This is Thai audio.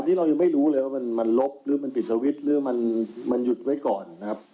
นี่เรายังไม่รู้เลยว่ามันลบหรือมันปิดสวิตช์หรือมันหยุดไว้ก่อนนะครับ